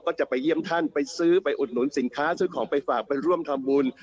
ก็จะไปเยี่ยมท่านไปซื้อไปอุดหนุนสินค้าซื้อของไปฝากไปร่วมทำบุญ